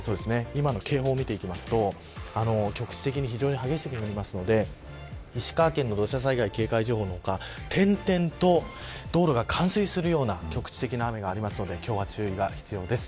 今の警報を見ていきますと局地的に非常に激しく降りますので石川県の土砂災害警戒情報とか点々と道路が冠水するような局地的な雨がありますので今日は、注意が必要です。